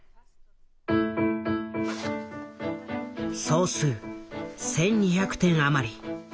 総数１，２００点余り。